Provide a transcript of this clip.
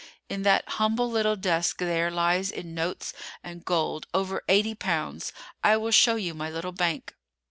In that humble little desk there lies in notes and gold over eighty pounds. I will show you my little bank."